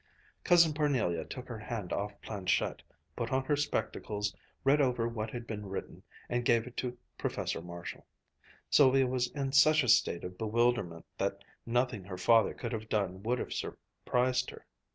Cousin Parnelia took her hand off planchette, put on her spectacles, read over what had been written, and gave it to Professor Marshall. Sylvia was in such a state of bewilderment that nothing her father could have done would have surprised her.